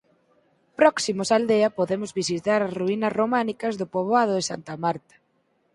Próximos a aldea podemos visitar as ruínas románicas do poboado de Santa Marta.